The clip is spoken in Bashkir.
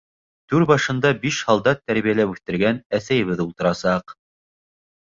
Түр башында биш һалдат тәрбиәләп үҫтергән әсәйебеҙ ултырасаҡ.